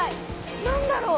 何だろう？